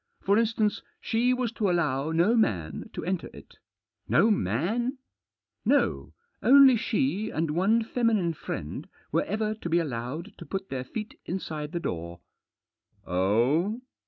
For instance, she was to allow no man to enter it." " No man ?"" No ; only she and one feminine friend were ever to be allowed to put their feet inside the door." "Oh?"